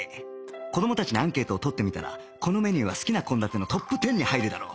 子供たちにアンケートを取ってみたらこのメニューは好きな献立のトップ１０に入るだろう